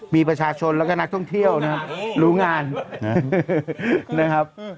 มีประชาชนแล้วก็นักท่องเที่ยวนะครับรู้งานนะครับ